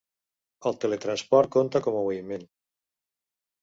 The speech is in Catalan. El teletransport compta com a moviment.